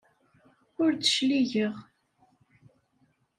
Ur d-cligeɣ.